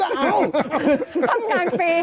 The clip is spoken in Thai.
ทำงานฟรี